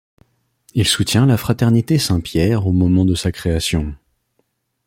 Il soutient la fraternité Saint-Pierre au moment de sa création.